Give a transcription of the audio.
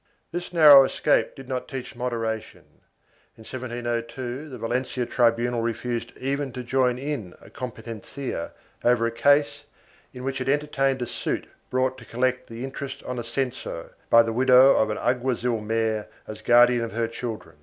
2 This narrow escape did not teach moderation. In 1702 the Valencia tribunal refused even to join in a competencia over a case in which it entertained a suit brought to collect the interest on a censo, by the widow of an alguazil mayor as guardian of her children.